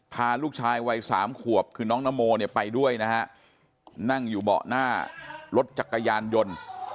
พาลูกชายวัยสามขวบคือน้องนโมเนี่ยไปด้วยนะฮะนั่งอยู่เบาะหน้ารถจักรยานยนต์